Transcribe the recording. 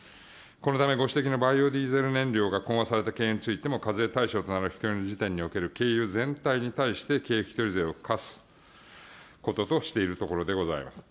このためご指摘の、バイオディーゼル燃料が混和された軽油についても課税対象となる時点における軽油全体に対して軽油引取税を課すということにしているところでございます。